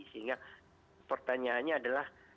sehingga pertanyaannya adalah